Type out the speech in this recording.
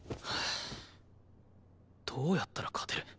どうやったら勝てる？